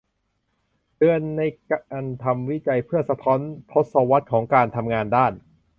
เดือนในการทำวิจัยเพื่อสะท้อนทศวรรษของการทำงานด้าน